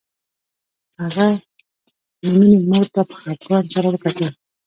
هغه د مينې مور ته په خپګان سره وکتل